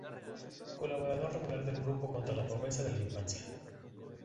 Colaborador regular del Grupo contra la Pobreza de la Infancia.